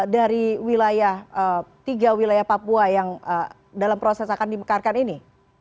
dari tiga wilayah papua yang dalam proses akan dimekarkan ini